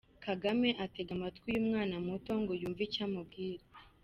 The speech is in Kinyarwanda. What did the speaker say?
Kagame atega amatwi uyu mwana muto ngo yumve icyo amubwira.